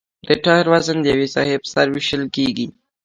د ټایر وزن د یوې ساحې په سر ویشل کیږي